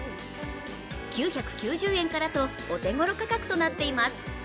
９９０円からとお手ごろ価格となっています。